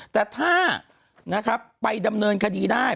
แต่ถ้านะครับไปดำเนินคดีได้